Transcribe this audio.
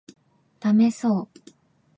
ダメそう